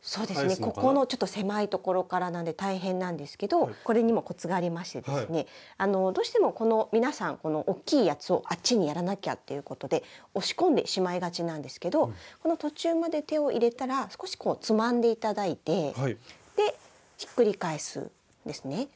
ここのちょっと狭いところからなんで大変なんですけどこれにもコツがありましてですねどうしても皆さんこの大きいやつをあっちにやらなきゃっていうことで押し込んでしまいがちなんですけど途中まで手を入れたら少しこうつまんで頂いてひっくり返すんですね。